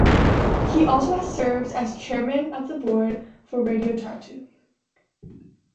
He also has served as Chairman of the board for Radio Tartu.